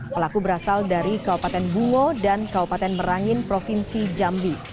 pelaku berasal dari kabupaten bungo dan kabupaten merangin provinsi jambi